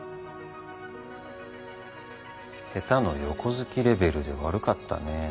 下手の横好きレベルで悪かったね。